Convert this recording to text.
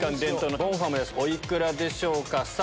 お幾らでしょうか？